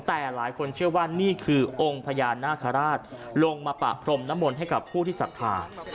แต่หลายคนเชื่อว่านี่คือโองพญานาฆราจลงมาปรับพรหมนมท์ให้กับผู้ที่ศักดิ์ฐาน